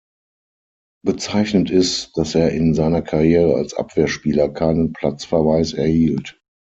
Bezeichnend ist, dass er in seiner Karriere als Abwehrspieler keinen Platzverweis erhielt.